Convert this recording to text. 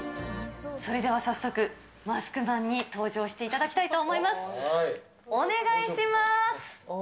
それでは早速、マスクマンに登場していただきたいと思います。